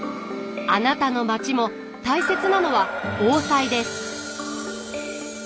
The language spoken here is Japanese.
あなたの町も大切なのは防災です。